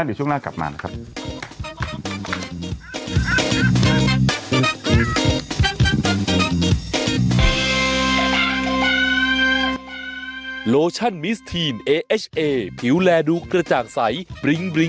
เดี๋ยวช่วงหน้ากลับมานะครับ